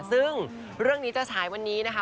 ซึ่งเรื่องนี้จะฉายวันนี้นะคะ